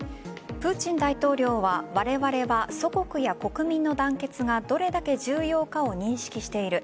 プーチン大統領はわれわれは祖国や国民の団結がどれだけ重要かを認識している。